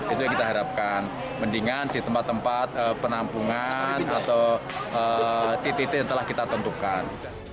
itu yang kita harapkan mendingan di tempat tempat penampungan atau titik titik yang telah kita tentukan